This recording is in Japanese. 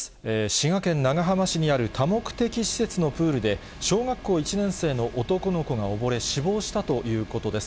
滋賀県長浜市にある多目的施設のプールで、小学校１年生の男の子が溺れ、死亡したということです。